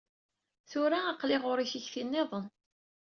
Tura aql-i ɣuṛ-i tikti-nniḍen.